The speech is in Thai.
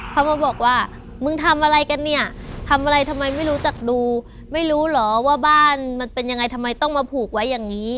เขามาบอกว่ามึงทำอะไรกันเนี่ยทำอะไรทำไมไม่รู้จักดูไม่รู้เหรอว่าบ้านมันเป็นยังไงทำไมต้องมาผูกไว้อย่างนี้